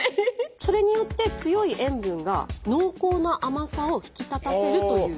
それによって強い塩分が濃厚な甘さを引き立たせるという。